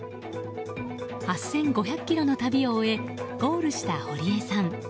８５００ｋｍの旅を終えゴールした堀江さん。